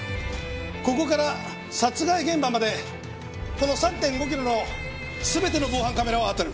ここから殺害現場までこの３．５キロの全ての防犯カメラをあたる！